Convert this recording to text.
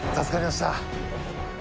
助かりました。